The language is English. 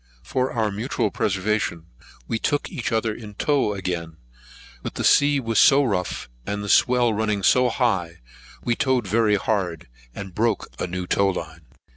For our mutual preservation, we took each other in tow again; but the sea was so rough, and the swell running so high, we towed very hard, and broke a new tow line.